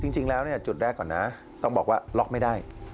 จริงแล้วจุดแรกก่อนนะต้องบอกว่าล็อกไม่ได้